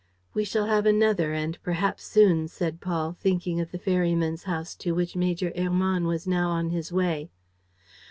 "We shall have another and perhaps soon," said Paul, thinking of the ferryman's house to which Major Hermann was now on his way.